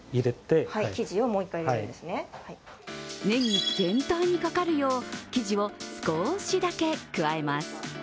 ネギ全体にかかるよう生地を少しだけ加えます。